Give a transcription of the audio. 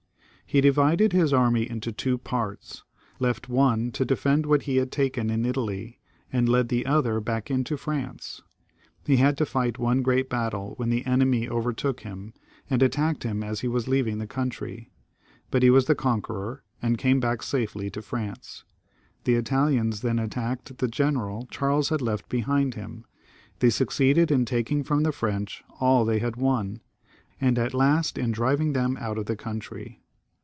He divided his army into two parts, left one to defend what he had taken in Italy, and led the other back into France. He had to fight one great battle, when the enemy caught him up, and attacked him as he was leaving the country ; but he was the conqueror, and came safely back to France. The Italians then attacked the general Charles had left behind him ; they succeeded in taking from the French all they had won, and at last, in driving them out of the coimtry.